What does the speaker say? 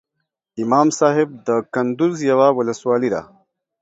امام صاحب دکندوز یوه ولسوالۍ ده